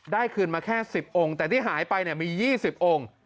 คืนมาแค่๑๐องค์แต่ที่หายไปมี๒๐องค์